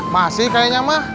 masih kayaknya mah